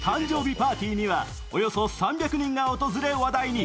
パーティーにはおよそ３００人が訪れ話題に。